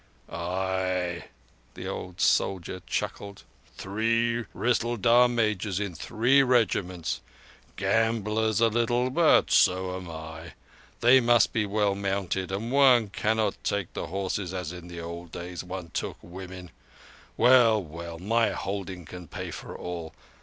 "Ay," the old soldier chuckled. "Three Rissaldar—majors in three regiments. Gamblers a little, but so am I. They must be well mounted; and one cannot take the horses as in the old days one took women. Well, well, my holding can pay for all.